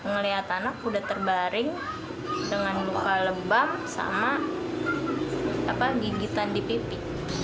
ngelihat anak udah terbaring dengan luka lebam sama gigitan di pipi